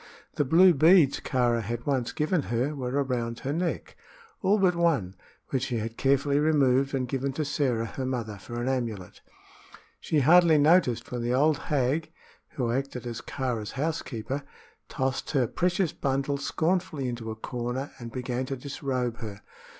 The blue beads Kāra had once given her were around her neck all but one, which she had carefully removed and given to Sĕra her mother for an amulet. She scarcely noticed when the old hag who acted as Kāra's housekeeper tossed her precious bundle scornfully into a corner and began to disrobe her.